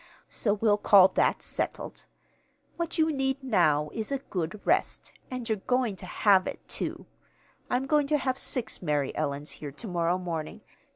So we'll call that settled. What you need now is a good rest; and you're going to have it, too. I'm going to have six Mary Ellens here to morrow morning.